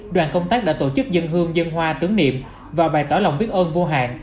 đoàn công tác đã tổ chức dân hương dân hoa tưởng niệm và bày tỏ lòng biết ơn vô hạn